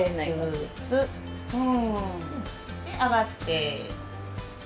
で上がって。